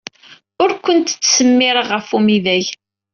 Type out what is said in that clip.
Ur ken-ttsemmireɣ ɣef umidag.